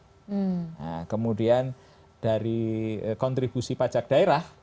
nah kemudian dari kontribusi pajak daerah